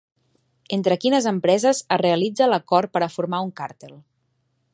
Entre quines empreses es realitza l'acord per a formar un càrtel?